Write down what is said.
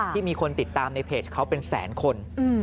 มีคนติดตามในเพจเขาเป็นแสนคน